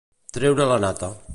Treure la nata.